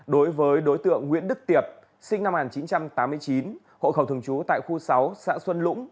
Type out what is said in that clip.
đối với đối tượng nguyễn đức tiệp sinh năm một nghìn chín trăm tám mươi chín hộ khẩu thường trú tại khu sáu xã xuân lũng